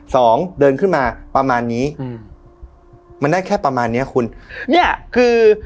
สองเดินขึ้นมาประมาณนี้อืมมันได้แค่ประมาณเนี้ยคุณเนี้ยคือ